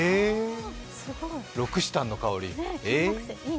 ロクシタンの香り、へえ。